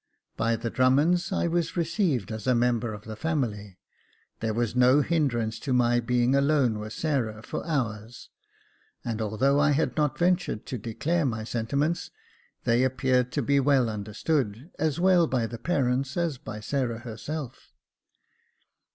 By the Drummonds I was received as a member of the family — there was no hinderance to my being alone with Sarah for hours j and although I had not ventured to declare my sentiments, they appeared to be well understood, as well by the parents as by Sarah herself.